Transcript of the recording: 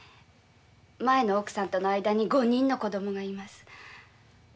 前の奥さんとの間に５人の子供がいます。